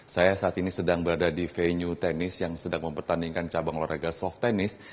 saya saat ini sedang berada di venue tenis yang sedang mempertandingkan cabang olahraga soft tennis